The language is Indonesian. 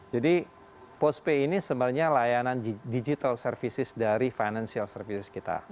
postpay ini sebenarnya layanan digital services dari financial service kita